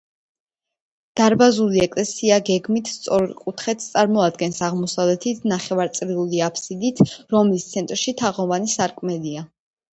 დარბაზული ეკლესია გეგმით სწორკუთხედს წარმოადგენს, აღმოსავლეთით ნახევარწრიული აბსიდით, რომლის ცენტრში თაღოვანი სარკმელია.